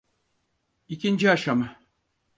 İkinci aşama.